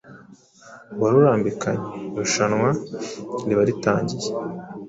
Ruba rurambikanye: irushanwa riba riratangiye